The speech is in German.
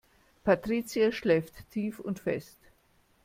Patricia schläft tief und fest.